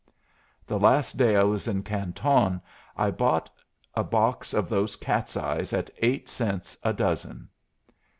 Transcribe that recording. The last day I was in Canton I bought a box of those cat's eyes at eight cents a dozen."